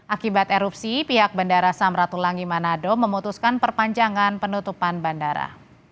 akibat erupsi pihak bandara samratulangi manado memutuskan perpanjangan penutupan bandara